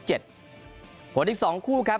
หัวหนึ่ง๒คู่ครับ